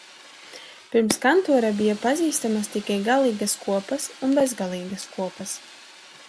"Pirms Kantora bija pazīstamas tikai galīgas kopas un "bezgalīgas kopas"."